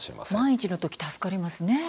万一の時、助かりますね。